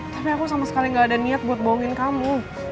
tapi aku sama sekali gak ada niat buat bohongin kamu